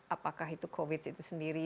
apakah itu covid itu sendiri